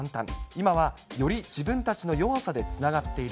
今はより自分たちの弱さでつながっている。